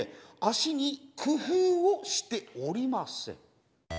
足に工夫をしておりません。